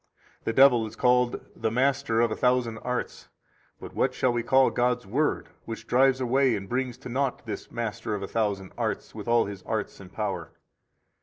The devil is called the master of a thousand arts. But what shall we call God's Word, which drives away and brings to naught this master of a thousand arts with all his arts and power?